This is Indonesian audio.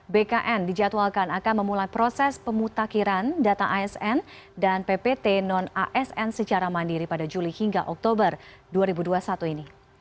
bkn dijadwalkan akan memulai proses pemutakiran data asn dan ppt non asn secara mandiri pada juli hingga oktober dua ribu dua puluh satu ini